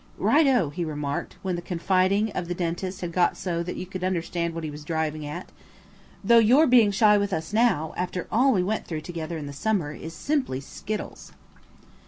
"Right oh," he remarked, when the confidings of the Dentist had got so that you could understand what he was driving at. "Though you're being shy with us now, after all we went through together in the summer, is simply skittles."